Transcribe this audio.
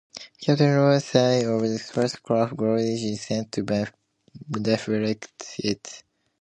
Captain Robert Singh of the spacecraft "Goliath" is sent to deflect it.